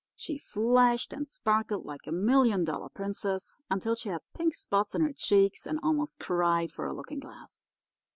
She flashed and sparkled like a million dollar princess until she had pink spots in her cheeks and almost cried for a looking glass.